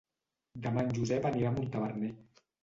Demà en Josep anirà a Montaverner.